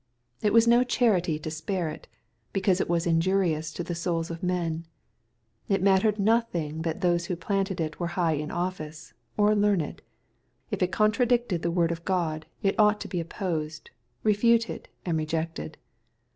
It was no charity to spare it, because it was injurious to the souls of men. — ^It mattered nothing that those who planted it were high in office, or learned. If it contra dicted the word of God, it ought to be opposed, refuted, and rejected.